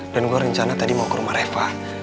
dan gue rencana tadi mau ke rumah reva